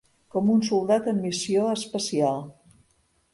Com un soldat en missió especial.